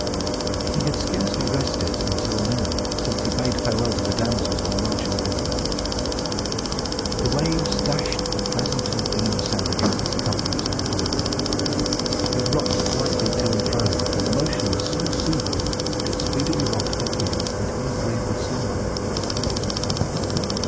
He had scarcely rested, until now, since he bade farewell to the damsels on the margin of the river. The waves dashed, with a pleasant and ringing sound, against the circumference of the hollow cup; it rocked lightly to and fro, and the motion was so soothing that it speedily rocked Hercules into an agreeable slumber.